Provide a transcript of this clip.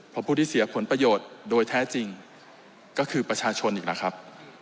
เพราะผู้ที่เสียผลประโยชน์โดยแท้จริงก็คือประชาชนอีกแล้วครับ